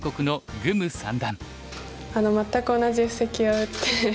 全く同じ布石を打って。